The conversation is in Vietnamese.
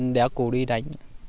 đéo cụ đi đánh